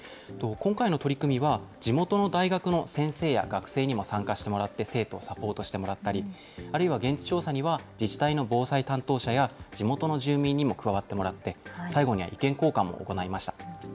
今回の取り組みは、地元の大学の先生や学生にも参加してもらって、生徒をサポートしてもらったり、あるいは現地調査には、自治体の防災担当者や地元の住民にも加わってもらって、最後には意見交換も行いました。